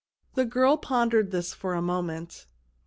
The girl pondered this for a moment.